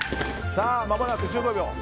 まもなく１５秒。